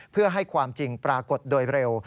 เพื่อให้ความจริงปรากฏโดยเร็ว